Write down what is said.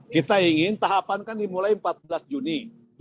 kita ingin tahapan kan dimulai empat belas juni dua ribu dua puluh